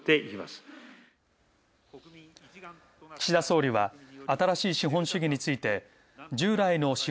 岸田総理は「新しい資本主義」について